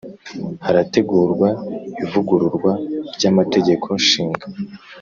Harategurwa ivugururwa ry’ Amategeko shinga